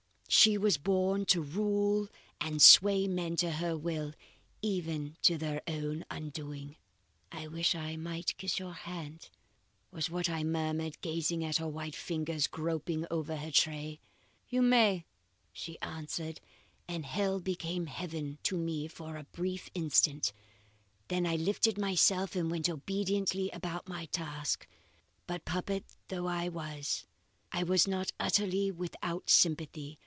She was born to rule and sway men to her will even to their own undoing." "'I wish I might kiss your hand,' was what I murmured, gazing at her white fingers groping over her tray. "'You may,' she answered, and hell became heaven to me for a brief instant. Then I lifted myself and went obediently about my task. "But puppet though I was, I was not utterly without sympathy.